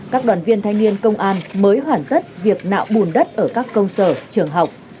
các đoàn viên thanh niên công an mới hoàn tất việc nạo bùn đất ở các công sở trường học